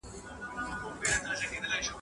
په دا منځ کي چا نیولی یو عسکر وو ..